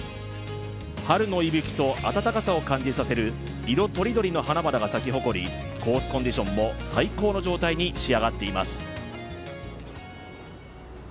春の息吹と暖かさを感じさせる色とりどりの花々が咲き誇り、コースコンディションも最高の状態に仕上がっています。